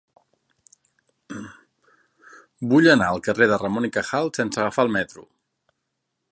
Vull anar al carrer de Ramón y Cajal sense agafar el metro.